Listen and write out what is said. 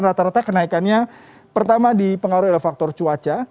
karena rata rata kenaikannya pertama di pengaruhi oleh faktor cuaca